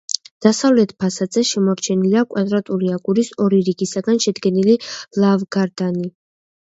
დასავლეთ ფასადზე შემორჩენილია კვადრატული აგურის ორი რიგისაგან შედგენილი ლავგარდანი.